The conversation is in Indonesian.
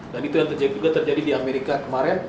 dan itu yang terjadi juga di amerika kemarin